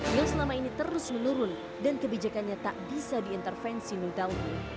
yang selama ini terus menurun dan kebijakannya tak bisa diintervensi nedaun